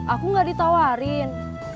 aku gak ditawarin